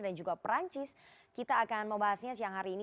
dan juga perancis kita akan membahasnya siang hari ini